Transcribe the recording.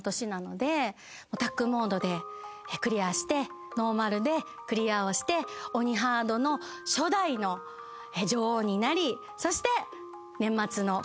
タッグモードでクリアしてノーマルでクリアをして鬼ハードの初代の女王になりそして。